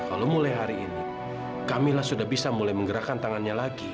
kalau mulai hari ini kamilah sudah bisa mulai menggerakkan tangannya lagi